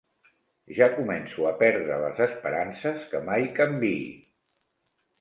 Ja començo a perdre les esperances que mai canviï.